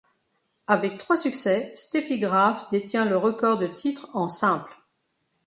Avec trois succès, Steffi Graf détient le record de titres en simple.